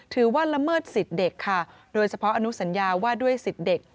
ละเมิดสิทธิ์เด็กค่ะโดยเฉพาะอนุสัญญาว่าด้วยสิทธิ์เด็ก